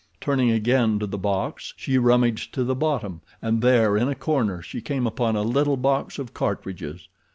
Turning again to the box she rummaged to the bottom and there in a corner she came upon a little box of cartridges.